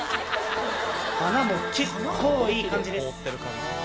花も結構いい感じです。